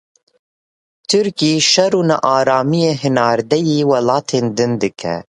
Tirkiye şer û nearamiyê hinardeyî welatên din dike.